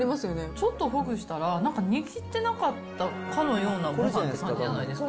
ちょっとほぐしたら、なんか握ってなかったかのようなごはんの感じじゃないですか。